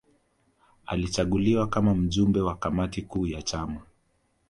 Alichaguliwa kama mjumbe wa kamati kuu ya chama